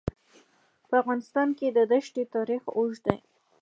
په افغانستان کې د دښتې تاریخ اوږد دی.